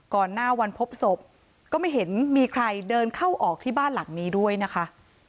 ก่อนหน้าวันพบศพก็ไม่เห็นมีใครเดินเข้าออกที่บ้านหลังนี้ด้วยนะคะ